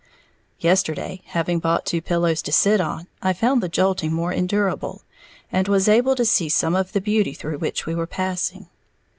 Yesterday, having bought two pillows to sit on, I found the jolting more endurable, and was able to see some of the beauty through which we were passing.